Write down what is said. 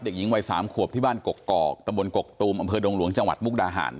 เด็กหญิงวัย๓ขวบที่บ้านกกกตกกตูมอดงรวงจมุกดาหาร